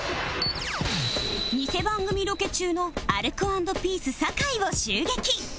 ニセ番組ロケ中のアルコ＆ピース酒井を襲撃